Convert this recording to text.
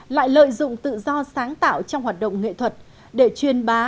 lại lợi dụng tự do sáng tạo trong hoạt động nghệ thuật để truyền bá